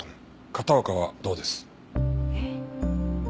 片岡はどうです？え？